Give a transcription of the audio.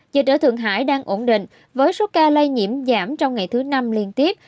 dịch trở thượng hải đang ổn định với số ca lây nhiễm giảm trong ngày thứ năm liên tiếp